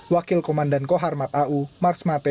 wakil komandan koharmat au dan pakar pengelolaan tni au